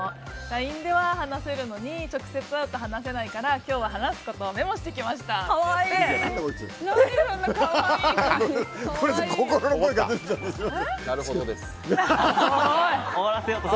ＬＩＮＥでは話せるのに直接会うと話せないから今日は、話すことをメモしてきましたって言って。